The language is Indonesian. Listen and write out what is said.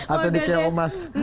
atau di keomas